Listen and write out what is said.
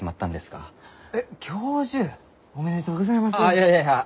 あいやいやいや。